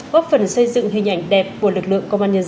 góp phần xây dựng hình ảnh đẹp của lực lượng công an nhân dân